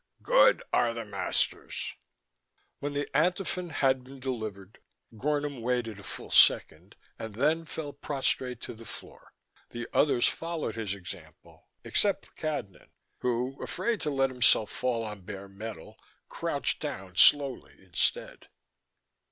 "Good are the masters." When the antiphon had been delivered Gornom waited a full second and then fell prostrate to the floor. The others followed his example, except for Cadnan, who, afraid to let himself fall on bare metal, crouched down slowly instead.